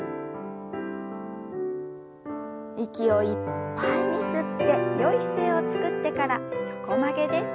息をいっぱいに吸ってよい姿勢をつくってから横曲げです。